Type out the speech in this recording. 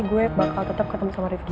sorry tapi gue bakal tetep ketemu sama rifqi